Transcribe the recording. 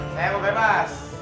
saya mau bebas